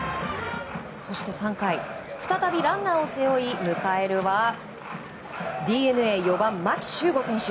そして３回再びランナーを背負い迎えるは、ＤｅＮＡ４番牧秀悟選手。